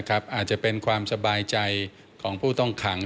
อาจจะเป็นความสบายใจของผู้ต้องขัง